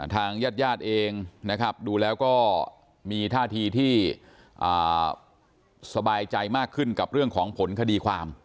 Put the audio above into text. ทางญาติญาติเองนะครับดูแล้วก็มีท่าทีที่สบายใจมากขึ้นกับเรื่องของผลคดีความ